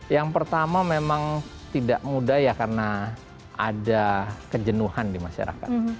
yang pertama memang tidak mudah ya karena ada kejenuhan di masyarakat